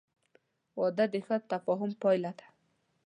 • واده د ښه تفاهم پایله ده.